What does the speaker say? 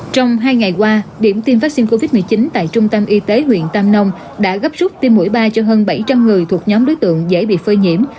trong hai ngày qua điểm tiêm vaccine covid một mươi chín tại trung tâm y tế huyện tam nông đã gấp rút tiêm mũi ba cho hơn bảy trăm linh người thuộc nhóm đối tượng dễ bị phơi nhiễm